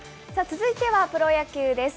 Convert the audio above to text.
続いてはプロ野球です。